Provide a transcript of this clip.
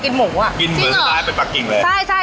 กินเหมือนสไตล์เป็นปั๊กกิ่งเลย